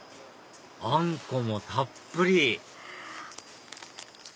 あんこもたっぷり！